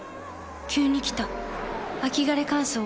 急に来た秋枯れ乾燥。